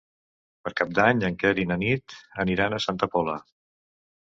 Per Cap d'Any en Quer i na Nit aniran a Santa Pola.